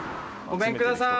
ごめんください。